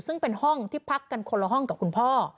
ซึ่งเป็นห้องที่พักกันคนละห้องกับคุณพ่อ